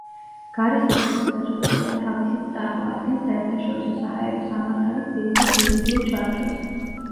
გარე სივრცის ხელშეკრულება თავისით წარმოადგენს საერთაშორისო საჰაერო სამართალის ძირითად იურიდიულ ჩარჩოს.